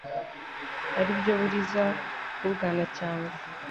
aribyo Buliza n' u Bwanacyambwe.